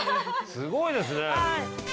すごいですね。